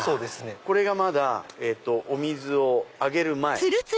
これがまだお水をあげる前。